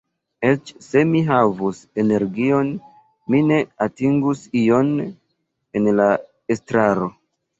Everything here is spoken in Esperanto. Eĉ se mi havus energion, mi ne atingus ion en la estraro.